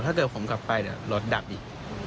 ถ้าก็ผมกลับไปเดี๋ยวรถดับอีก